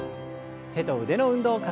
手と腕の運動から。